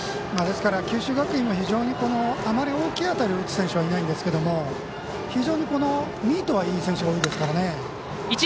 九州学院はあまり大きい当たりを打つ選手はいないんですけど非常にミートはいい選手が多いですからね。